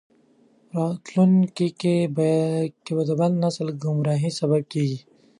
په راتلونکي کې د بل نسل د ګمراهۍ سبب کیږي.